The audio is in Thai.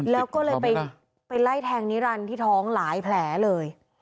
แล้วก็เลยไปไล่แทงนิรันดิ์ที่ท้องหลายแผลเลย